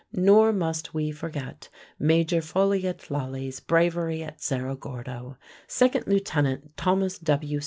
Nor must we forget Major Folliot Lally's bravery at Cerro Gordo; Second Lieutenant Thomas W.